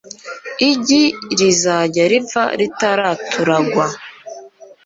igi rizajya ripfa ritaraturagwa